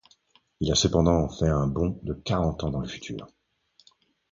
Il a cependant fait un bond de quarante ans dans le futur.